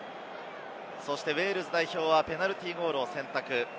ウェールズ代表はペナルティーゴールを選択。